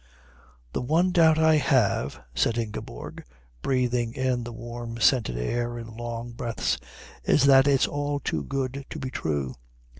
"The one doubt I have," said Ingeborg, breathing in the warm scented air in long breaths, "is that it's all too good to be true."